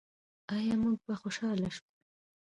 آیا موږ به خوشحاله شو؟